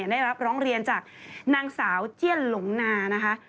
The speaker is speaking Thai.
ได้รับร้องเรียนจากนางสาวเจียนหลงนานะคะ